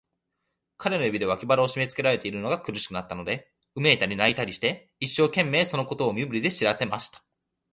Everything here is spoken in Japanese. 彼の指で、脇腹をしめつけられているのが苦しくなったので、うめいたり、泣いたりして、一生懸命、そのことを身振りで知らせました。